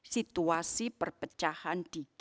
situasi perpecahan di g dua puluh